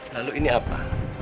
lalu ini apa